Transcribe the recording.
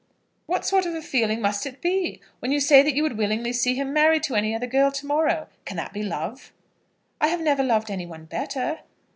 What sort of a feeling must it be, when you say that you would willingly see him married to any other girl to morrow? Can that be love?" "I have never loved any one better."